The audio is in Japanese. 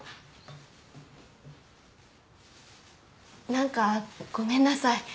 何かごめんなさい。